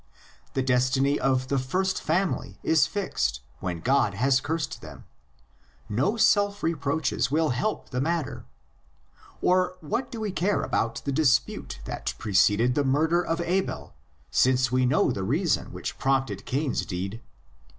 The destiny of the first family is fixed when God has cursed them; no self reproaches will help the mat ter. Or, what do we care about the dispute that preceded the murder of Abel, since we know the LITERARY FORM OF THE LEGENDS. 65 reason which prompted Cain's deed!